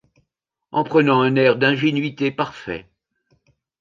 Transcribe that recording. en prenant un air d’ingénuité parfait.